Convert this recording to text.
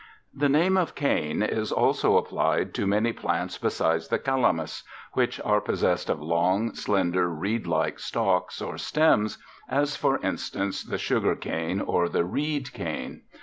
The name of cane is also applied to many plants besides the Calamus, which are possessed of long, slender, reed like stalks or stems, as, for instance, the sugar cane, or the reed cane.